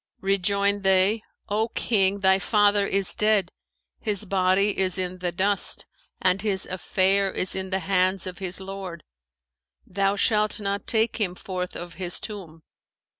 Rejoined they, 'O King, thy father is dead; his body is in the dust and his affair is in the hands of his Lord; thou shalt not take him forth of his tomb.'